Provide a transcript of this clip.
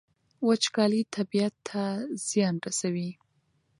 وچکالي طبیعت ته زیان رسوي.